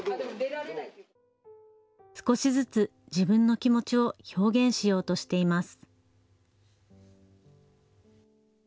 少しずつ自分の気持ちを表現しようとしています。